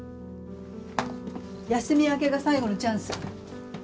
休み明けが最後のチャンス。